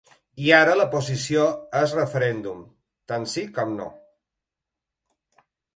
I ara la posició és referèndum tant sí com no.